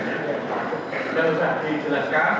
tidak perlu saja dijelaskan